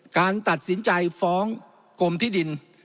การตัดสินใจฟ้องกรมที่ดิน